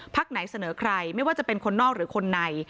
ไหนเสนอใครไม่ว่าจะเป็นคนนอกหรือคนใน